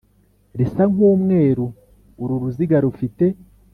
risa nk umweru Uru ruziga rufite